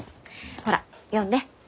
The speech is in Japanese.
ほら読んで。